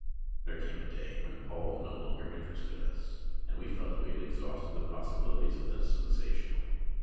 There came a day when Paul no longer interested us, and we felt that we had exhausted the possibilities of the sensa tional.